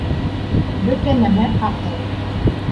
Бөтә нәмә аҡыл